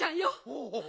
おお。